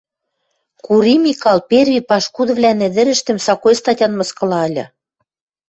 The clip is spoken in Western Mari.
Кури Микал перви пашкудывлӓн ӹдӹрӹштӹм сакой статян мыскыла ыльы